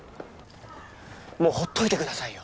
もうほっといてくださいよ。